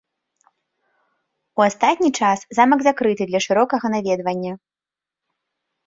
У астатні час замак закрыты для шырокага наведвання.